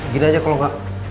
gini aja kalau enggak